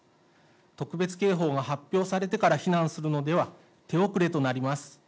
特別警報が発表されてから避難するのでは手遅れとなります。